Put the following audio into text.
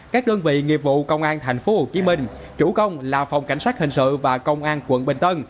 các đơn vị nghiệp vụ công an thành phố hồ chí minh chủ công là phòng cảnh sát hình sự và công an quận bình tân